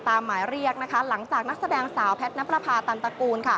ตามหมายเรียกหลังจากนักแสดงสาวแพทย์ณประพาทันตระกูล